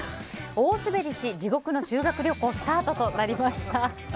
大スベりし地獄の修学旅行スタートとなりました。